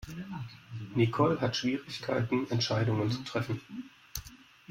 Nicole hat Schwierigkeiten Entscheidungen zu treffen.